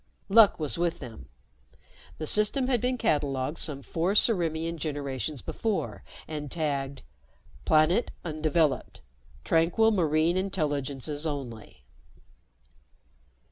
Luck was with them. The system had been catalogued some four Ciriimian generations before and tagged: _Planet undeveloped. Tranquil marine intelligences only.